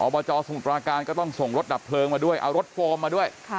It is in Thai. บจสมุทรปราการก็ต้องส่งรถดับเพลิงมาด้วยเอารถโฟมมาด้วย